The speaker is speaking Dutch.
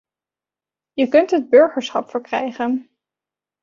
Je kunt het burgerschap verkrijgen.